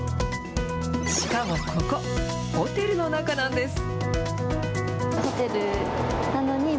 しかもここ、ホテルの中なんです。